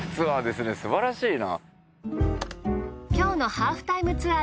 すばらしいな。